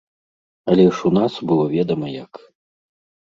Але ж у нас было ведама як.